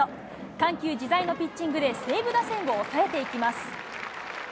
緩急自在のピッチングで、西武打線を抑えていきます。